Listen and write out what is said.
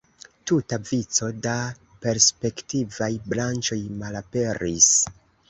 Tuta vico da perspektivaj branĉoj malaperis.